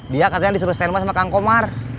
dia katanya disuruh stand by sama kang komar